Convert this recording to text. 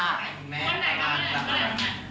คนไหนครับ